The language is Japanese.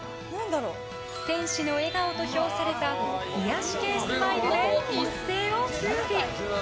天使の笑顔と評された癒やし系スマイルで一世を風靡。